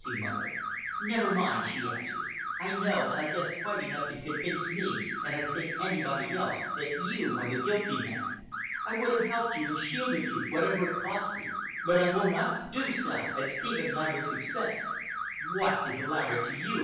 he muttered. "Never mind," she answered. "I know and I guess quite enough to convince me—and I think anybody else—that you are the guilty man. I would have helped you and shielded you, whatever it cost me, but I will not do so at Stephen Laverick's expense." "What is Laverick to you?"